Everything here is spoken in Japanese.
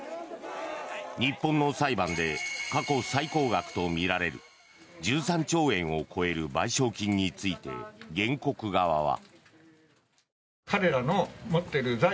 日本の裁判で過去最高額とみられる１３兆円を超える賠償金について原告側は。